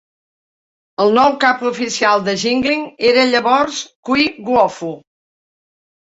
El nou cap oficial de Jingling era llavors Cui Guofu.